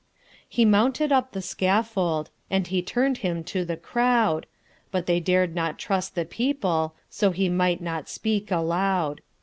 He mounted up the scaffold, And he turn'd him to the crowd; But they dar'd not trust the people, So he might not speak aloud.